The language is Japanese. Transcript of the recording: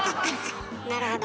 なるほど。